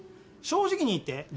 正直に言って。